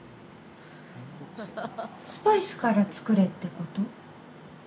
スパイスから作れってこと？